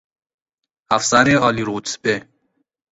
افسر عالیرتبه